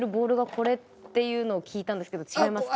これっていうのを聞いたんですけど違いますか？